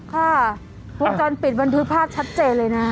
ค่ะวงจรปิดบันทึกภาพชัดเจนเลยนะ